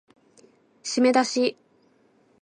しめだし